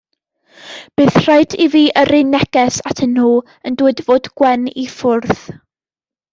Bydd raid i fi yrru neges atyn nhw yn dweud fod Gwen i ffwrdd.